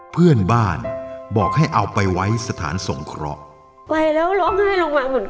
เพื่อนบ้านบอกให้เอาไปไว้สถานส่งเคราะห์